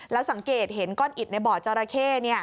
แล้วสังเกตเห็นก้อนอิดในบ่อจราเข้